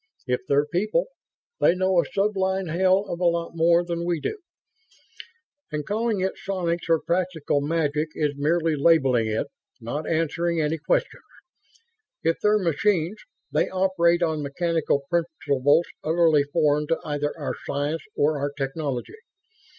If they're people, they know a sublime hell of a lot more than we do; and calling it psionics or practical magic is merely labeling it, not answering any questions. If they're machines, they operate on mechanical principles utterly foreign to either our science or our technology.